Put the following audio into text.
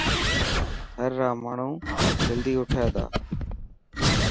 ٿر را ماڻهو جلدي اوٺي ٿا.